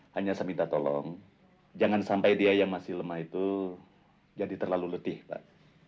hanya saya minta tolong jangan sampai dia yang masih lemah itu jadi terlalu letih pak